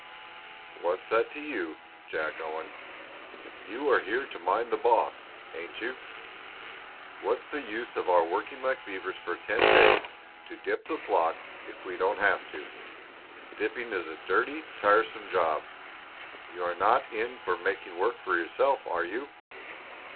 "What's that to you, Jack Owen? You are here to mind the boss, ain't you? What's the use of our working like beavers for ten days to dip the flock if we don't have to? Dipping is a dirty, tiresome job. You are not in for making work for yourself, are you?"